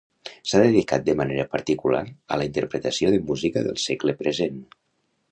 S'ha dedicat de manera particular a la interpretació de música del segle present.